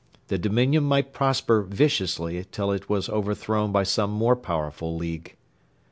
The dominion might prosper viciously till it was overthrown by some more powerful league.